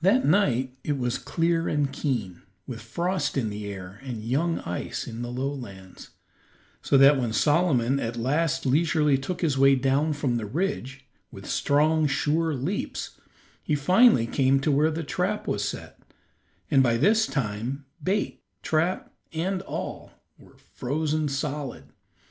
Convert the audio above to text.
That night it was clear and keen, with frost in the air and young ice in the lowlands, so that when Solomon at last leisurely took his way down from the ridge, with strong, sure leaps, he finally came to where the trap was set, and by this time bait, trap, and all were frozen solid.